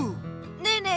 ねえねえ